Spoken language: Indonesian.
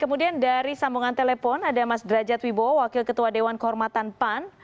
kemudian dari sambungan telepon ada mas derajat wibowo wakil ketua dewan kehormatan pan